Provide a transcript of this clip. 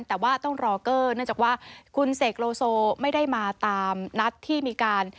แต่ว่าต้องรอเกอร์เนื่องจากว่าคุณเสกโลโซไม่ได้มาตามนัดที่มีการ